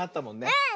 うん！